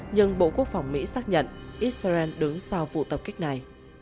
nhưng bộ quốc phòng mỹ xác nhận israel đứng sau vụ tập kích này